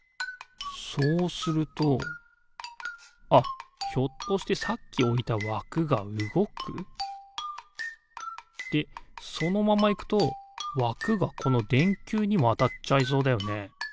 そうするとあっひょっとしてさっきおいたわくがうごく？でそのままいくとわくがこのでんきゅうにもあたっちゃいそうだよね。